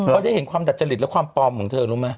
เขาได้เห็นความดัดจริตและความปลอมของเธอรู้ไหม